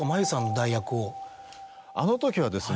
あのときはですね